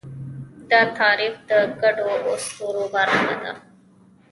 دا تعریف د ګډو اسطورو برخه ده.